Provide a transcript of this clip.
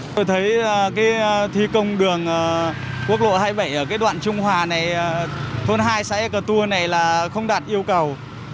tôi thấy cái thi công đường quốc lộ hai mươi bảy ở cái đoạn trung hòa này thôn hai xã cờ tua này là không đạt yêu cầu